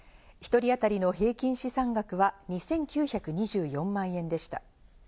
１人当たりの平均資産額は２９２４万円でした。